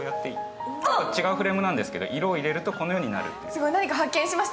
違うフレームなんですけど色を入れるとこういうふうになる。